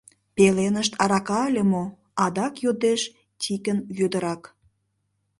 — Пеленышт арака ыле мо? — адак йодеш Тикын Вӧдырак.